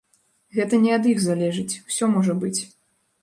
Гэта не ад іх залежыць, усё можа быць.